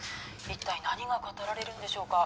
一体何が語られるんでしょうか？